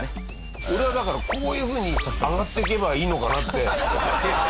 俺はだからこういうふうに上がっていけばいいのかなって思うんだけど。